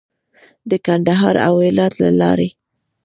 د کندهار او هرات له لارې.